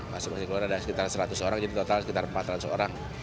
masih masih kelurahan ada sekitar seratus orang jadi total sekitar empat ratus orang